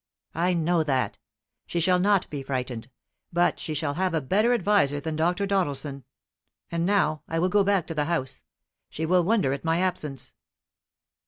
"I know that. She shall not be frightened; but she shall have a better adviser than Dr. Doddleson. And now I will go back to the house. She will wonder at my absence."